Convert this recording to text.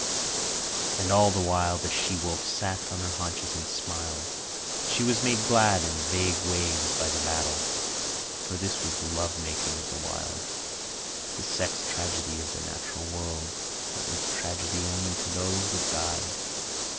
And all the while the she wolf sat on her haunches and smiled. She was made glad in vague ways by the battle, for this was the love making of the Wild, the sex tragedy of the natural world that was tragedy only to those that died.